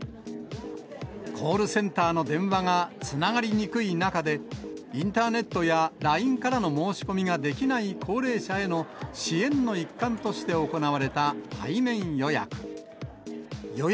コールセンターの電話がつながりにくい中で、インターネットやＬＩＮＥからの申し込みができない高齢者への支援の一環として行われた対面予約。